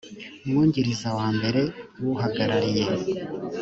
mwungiriza wa mbere w uhagarariye